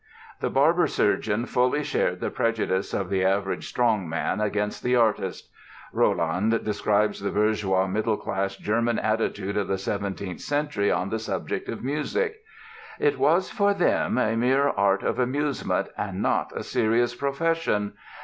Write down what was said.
The barber surgeon fully shared the prejudice of the average "strong man" against the artist. Rolland describes the bourgeois middle class German attitude of the 17th Century on the subject of music: "It was for them a mere art of amusement, and not a serious profession.